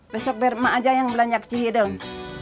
besok biar emak aja yang belanja kecihidung